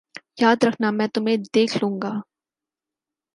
یاد رکھنا میں تمہیں دیکھ لوں گا